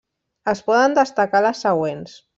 Es poden destacar les següents.